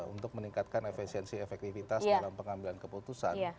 untuk meningkatkan efisiensi efektivitas dalam pengambilan keputusan